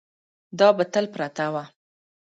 دا به تل پرته وه.